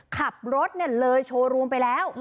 ขับรถเลยโชว์รูมไปแล้ว